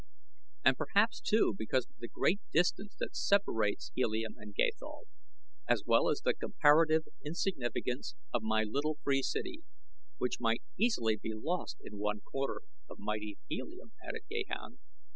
"And perhaps too because of the great distance that separates Helium and Gathol, as well as the comparative insignificance of my little free city, which might easily be lost in one corner of mighty Helium," added Gahan.